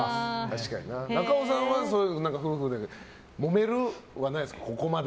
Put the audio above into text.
中尾さんは夫婦でもめるはないですか？